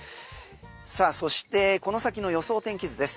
さあそしてこの先の予想天気図です。